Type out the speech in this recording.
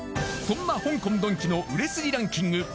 そんな香港ドンキの売れ筋ランキング